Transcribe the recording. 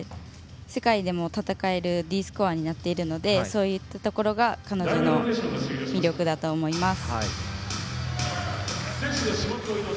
世界でも戦えるＤスコアになっているのでそういったところが彼女の魅力だと思います。